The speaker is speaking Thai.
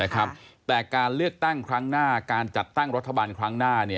แต่การเลือกตั้งครั้งหน้าการจัดตั้งรัฐบาลครั้งหน้า